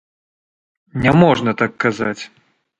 Не можна так казаць.